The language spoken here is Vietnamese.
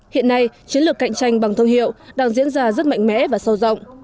hiện nay chiến lược cạnh tranh bằng thương hiệu đang diễn ra rất mạnh mẽ và sâu rộng